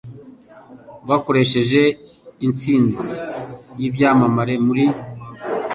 Bakoresheje Intsinzi Yibyamamare Muri ?